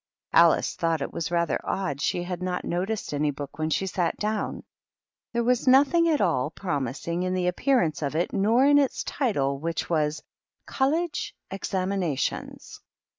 Alice thought it was rather odd she had not noticed any book when she sat down. There was nothing at all promising in the appearance of it nor in its title, which was " College ExamiifWr tions.